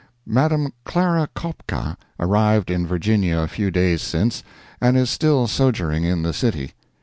—Madame Clara Kopka arrived in Virginia a few days since, and is still sojourning in the city.